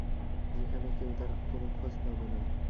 যেখানে কেউ তাঁর কোনো খোঁজ পাবে না।